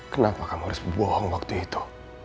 kenapa kamu harus bohong waktu itu